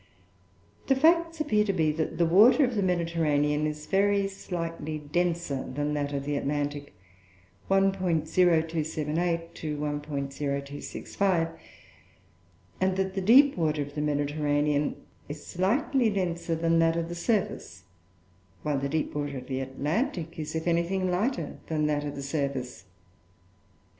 The facts appear to be that the water of the Mediterranean is very slightly denser than that of the Atlantic (1.0278 to 1.0265), and that the deep water of the Mediterranean is slightly denser than that of the surface; while the deep water of the Atlantic is, if anything, lighter than that of the surface.